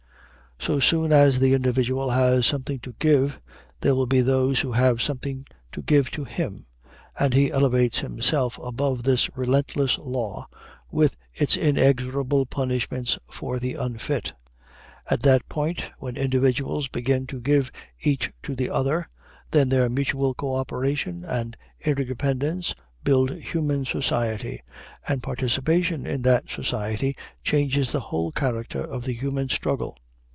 So soon as the individual has something to give, there will be those who have something to give to him, and he elevates himself above this relentless law with its inexorable punishments for the unfit. At that point, when individuals begin to give each to the other, then their mutual co operation and interdependence build human society, and participation in that society changes the whole character of the human struggle.